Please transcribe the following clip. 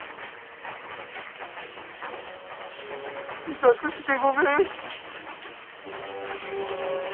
自殺してごめん。